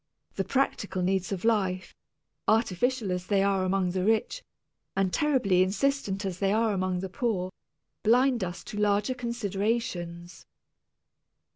The practical needs of life, artificial as they are among the rich, and terribly insistent as they are among the poor, blind us to larger considerations.